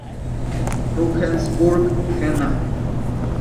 Regensburg, Jena".